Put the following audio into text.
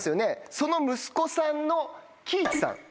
その息子さんの希一さん。